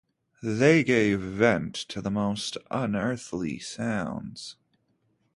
They gave vent to the most unearthly sounds.